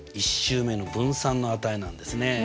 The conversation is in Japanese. １週目の分散の値なんですね！